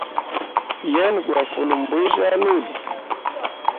Yena gwa fule mbwijya aluyi.